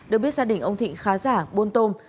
được biết gia đình ông thị khá giả buôn tôm